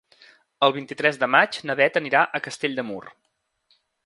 El vint-i-tres de maig na Bet anirà a Castell de Mur.